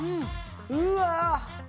うわ。